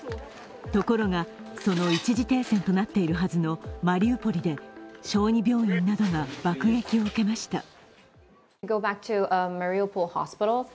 ところが、その一時停戦となっているはずのマリウポリで、小児病院などが爆撃を受けました。